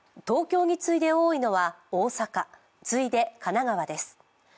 東京に次いで多いのは大阪、次いで神奈川です。